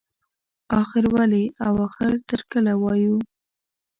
اخر ولې او اخر تر کله وایو.